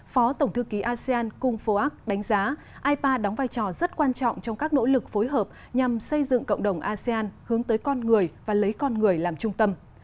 phó tổng thư ký asean cung phô ác đánh giá ipa đóng vai trò rất quan trọng trong các nỗ lực phối hợp nhằm xây dựng cộng đồng asean hướng tới con người và lấy con người làm trung tâm